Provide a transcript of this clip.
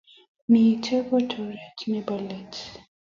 Meet ko oret nebo let.